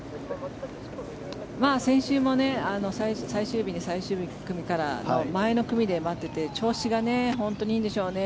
先週も最終日に最終組から前の組で回っていて調子が本当にいいんでしょうね。